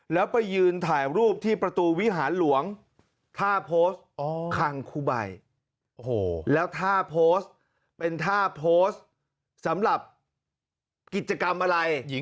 แล้วไปยืนถ่ายรูปที่ประตูวิหารหลวงท่าโพสต์คังคุใบโอ้โหแล้วท่าโพสต์เป็นท่าโพสต์สำหรับกิจกรรมอะไรหญิง